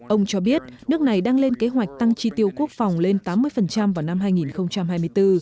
ông cho biết nước này đang lên kế hoạch tăng tri tiêu quốc phòng lên tám mươi vào năm hai nghìn hai mươi bốn